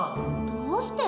どうして？